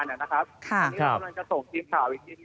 เนี่ยนะครับครับตอนนี้กำลังจะส่งทีมข่าวอีกที